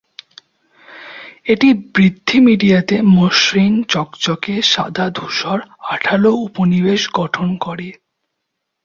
এটি বৃদ্ধি মিডিয়াতে মসৃণ, চকচকে, সাদা-ধূসর, আঠালো উপনিবেশ গঠন করে।